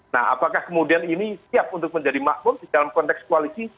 nah apakah kemudian ini siap untuk menjadi makmur di dalam konteks koalisi